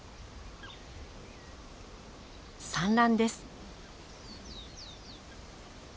産卵です。